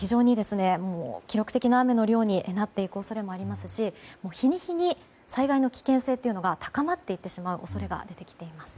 記録的な雨の量になっていく恐れもありますし日に日に災害の危険性が高まっていってしまう恐れが出てきています。